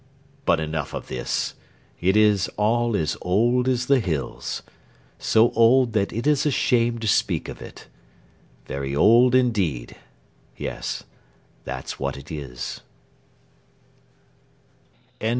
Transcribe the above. But enough of this. It is all as old as the hills so old that it is a shame to speak of it. Very old indeed yes, that's what it is!